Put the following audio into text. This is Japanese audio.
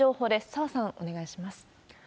澤さん、お願いします。